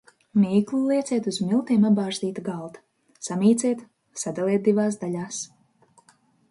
Mīklu lieciet uz miltiem apbārstīta galda, samīciet, sadaliet divās daļās.